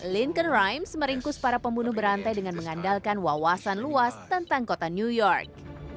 lincon rimes meringkus para pembunuh berantai dengan mengandalkan wawasan luas tentang kota new york